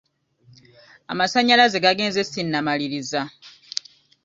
Amasanyalaze gagenze sinnamaliriza.